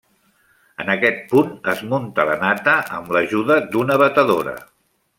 En aquest punt, es munta la nata amb l'ajuda d'una batedora.